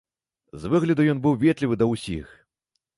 З выгляду ён быў ветлівы да ўсіх.